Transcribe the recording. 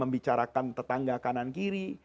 membicarakan tetangga kanan kiri